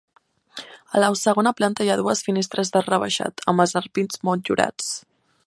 A la segona planta hi ha dues finestres d'arc rebaixat, amb els ampits motllurats.